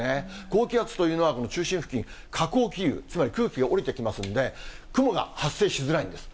高気圧というのは、中心付近、下降気流、つまり空気が下りてきますので、雲が発生しづらいんです。